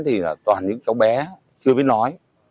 thì là toàn những cháu bé chưa biết nói